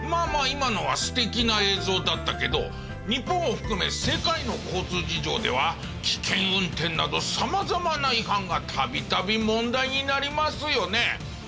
今のは素敵な映像だったけど日本を含め世界の交通事情では危険運転など様々な違反が度々問題になりますよね。